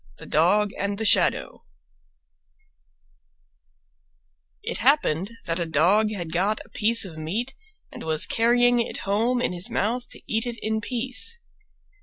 THE DOG AND THE SHADOW It happened that a Dog had got a piece of meat and was carrying it home in his mouth to eat it in peace.